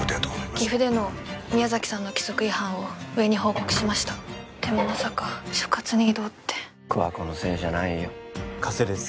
岐阜での宮崎さんの規則違反を上に報告しましたでもまさか所轄に異動って桑子のせいじゃないよ加瀬です